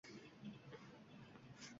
Vaholanki, qarorda bunday joyi yo‘q.